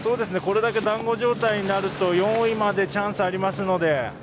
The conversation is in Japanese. これだけだんご状態になると４位までチャンスありますので。